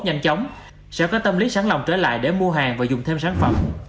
nhanh chóng sẽ có tâm lý sẵn lòng trở lại để mua hàng và dùng thêm sản phẩm